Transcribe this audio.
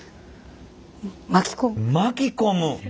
巻き込む。